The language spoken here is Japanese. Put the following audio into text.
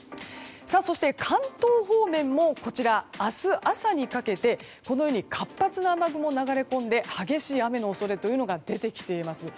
そして関東方面も明日朝にかけてこのように活発な雨雲が流れ込んできて激しい雨の恐れが出てきています。